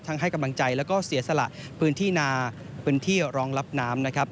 ให้กำลังใจแล้วก็เสียสละพื้นที่นาพื้นที่รองรับน้ำนะครับ